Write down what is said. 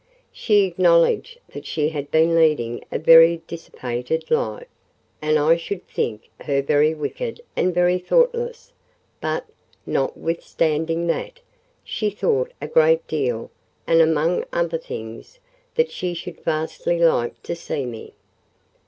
She acknowledged that she had been leading a very dissipated life, and I should think her very wicked and very thoughtless; but, notwithstanding that, she thought a great deal, and, among other things, that she should vastly like to see me.